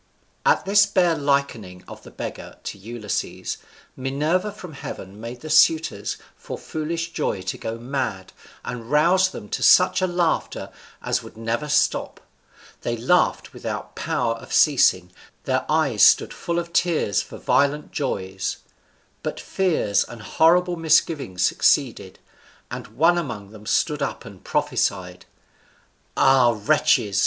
At this bare likening of the beggar to Ulysses, Minerva from heaven made the suitors for foolish joy to go mad, and roused them to such a laughter as would never stop they laughed without power of ceasing, their eyes stood full of tears for violent joys; but fears and horrible misgivings succeeded; and one among them stood up and prophesied: "Ah, wretches!"